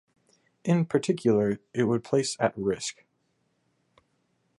In particular, it would place at risk.